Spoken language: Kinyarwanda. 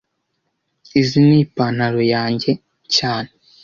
Izi ni ipantaro yanjye cyane